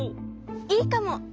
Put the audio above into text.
いいかも！